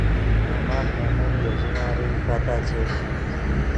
نے ماخ نے نیم یو ژینارے پتا چش